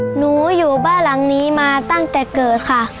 อยู่บ้านหลังนี้มาตั้งแต่เกิดค่ะ